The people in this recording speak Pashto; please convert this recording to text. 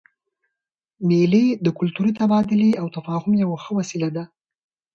مېلې د کلتوري تبادلې او تفاهم یوه ښه وسیله ده.